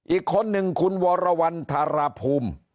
อีกคนนึงคุณวรวรรณธารพุม